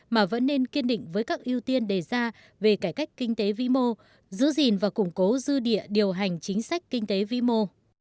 mà vẫn nên kiên định với các ưu tiên đề ra về cải cách kinh tế vĩ mô giữ gìn và củng cố dư địa điều hành chính sách kinh tế vĩ mô